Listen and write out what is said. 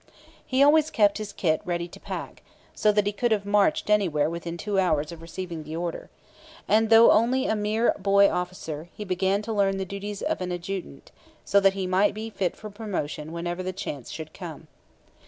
He always kept his kit ready to pack; so that he could have marched anywhere within two hours of receiving the order. And, though only a mere boy officer, he began to learn the duties of an adjutant, so that he might be fit for promotion whenever the chance should come.